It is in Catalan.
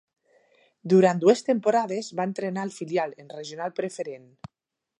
Durant dues temporades va entrenar el filial en Regional Preferent.